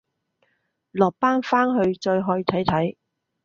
落班翻去再去睇睇